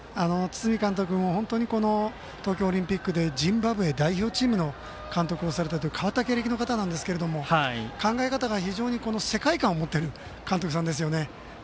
堤監督も本当に、東京オリンピックでジンバブエ代表チームの監督をされたという変わった経歴なんですが考え方が非常に世界観を持っている監督さんですよね。